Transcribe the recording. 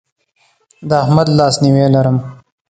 د احمد لاسنیوی لرم.